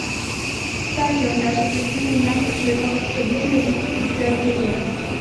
Кстати, он даже просил меня как своего представителя выступить с заявлением.